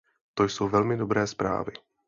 To jsou velmi dobré zprávy.